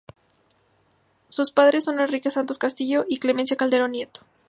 Sus padres son Enrique Santos Castillo y Clemencia Calderón Nieto.